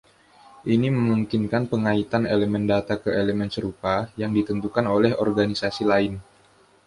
Ini memungkinkan pengaitan elemen data ke elemen serupa yang ditentukan oleh organisasi lain.